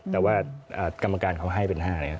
แต่ว่ากรรมการเขาให้เป็น๕แล้ว